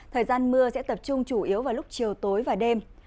thời gian mưa sẽ tập trung chủ yếu vào lúc chiều tối và đêm